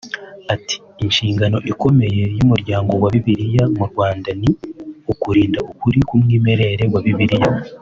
Ati “Inshingano ikomeye y’Umuryango wa Bibiliya mu Rwanda ni ukurinda ukuri k’umwimerere wa Bibiliya